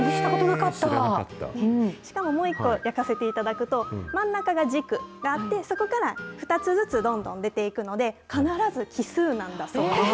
しかももう一個焼かせていただくと、真ん中が軸があって、そこから２つずつどんどん出ていくので、必ず奇数なんだそうです。